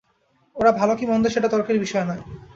ওরা ভালো কি মন্দ সেটা তর্কের বিষয় নয়।